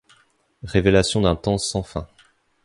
Révélation d’un temps sans fin.